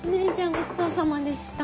ごちそうさまでした。